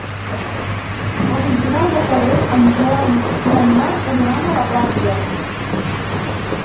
El vint-i-nou de febrer en Joan i en Marc aniran a la platja.